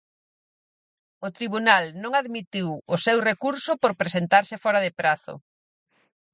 O tribunal non admitiu o seu recurso por presentarse fóra de prazo.